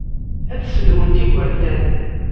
Ad ssedhunt igerdan.